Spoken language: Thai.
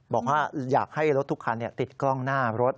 บอกว่าอยากให้รถทุกคันติดกล้องหน้ารถ